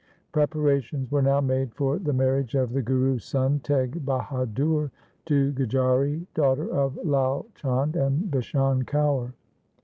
Preparations were now made for the marriage of the Guru's son Teg Bahadur to Gujari, daughter of Lai Chand and Bishan Kaur.